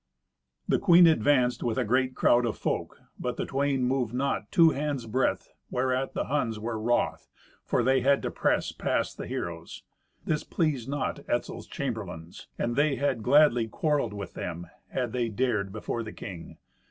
The queen advanced with a great crowd of folk, but the twain moved not two hands' breadth, whereat the Huns were wroth, for they had to press past the heroes. This pleased not Etzel's chamberlains, and they had gladly quarrelled with them, had they dared before the king.